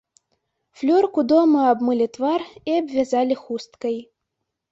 Флёрку дома абмылі твар і абвязалі хусткай.